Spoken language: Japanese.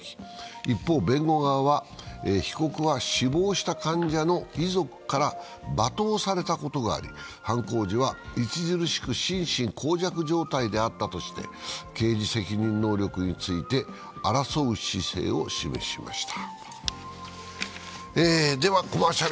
一方、弁護側は、被告は死亡した患者の遺族から罵倒されたことがあり、犯行時は著しく心神耗弱状態であったとして、刑事責任能力について争う姿勢を示しました。